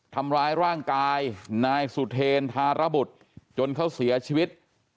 ทำร้ายร่างกายนายสุเทรนธารบุตรจนเขาเสียชีวิต